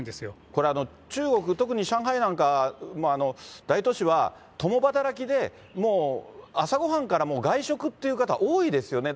これ、中国、特に上海なんかは大都市は共働きでもう朝ごはんから、もう外食って方、多いですよね。